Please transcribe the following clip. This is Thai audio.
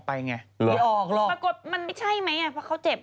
ปรากวดมันไม่ใช่ไหมเนี่ยเพราะเขาเจ็บ